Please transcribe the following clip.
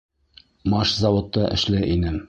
Машзаводта эшләй инем.